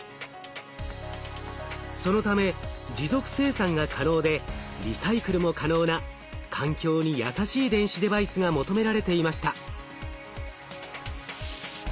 そのため持続生産が可能でリサイクルも可能な環境に優しい電子デバイスが求められていました。